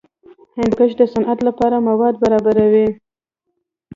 هندوکش د صنعت لپاره مواد برابروي.